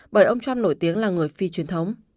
bởi ông trump nổi tiếng là người phi truyền thống